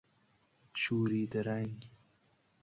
شوریده رنگ